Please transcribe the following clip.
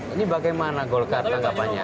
ini bagaimana golkar tanggapannya